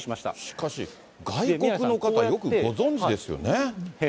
しかし、外国の方、よくご存じですよね。